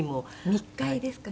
密会ですかね。